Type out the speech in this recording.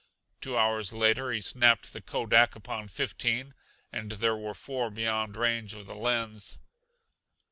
Two hours later he snapped the Kodak upon fifteen, and there were four beyond range of the lens.